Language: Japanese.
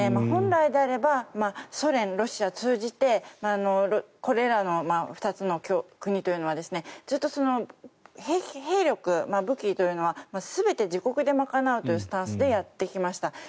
本来であればソ連、ロシアを通じてこれらの２つの国というのはずっと兵力武器というのは全て自国で賄うというスタンスでやってきました。